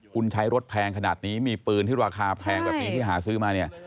คุณใช้รถแพงขนาดนี้มีปืนที่ราคาแพงแบบนี้ที่หาซื้อมาเนี่ย